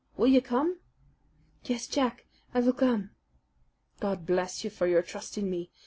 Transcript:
Will you come?" "Yes, Jack, I will come." "God bless you for your trust in me!